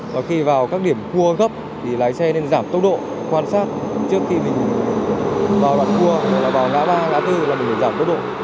và khi vào các điểm cua gấp thì lái xe nên giảm tốc độ quan sát trước khi mình vào đoạn cua vào ngã ba ngã bốn là để giảm tốc độ